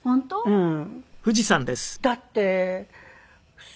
うん。